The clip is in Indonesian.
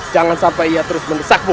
jangan sampai ia terus mendesakmu